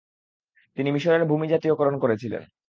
তিনি মিশরের ভূমি জাতীয়করণ করেছিলেন।